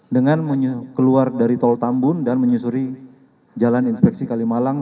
dengan keluar dari tol tambun dan menyusuri jalan inspeksi kalimalang